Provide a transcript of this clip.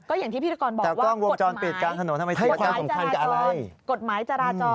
ก็อย่างที่พิธีกรบอกว่ากฎหมายกฎหมายจาราจรให้ความสำคัญกับอะไร